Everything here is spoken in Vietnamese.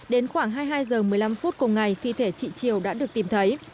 đến khoảng hai mươi hai h một mươi năm phút cùng ngày thi thể chị triều đã được tìm thấy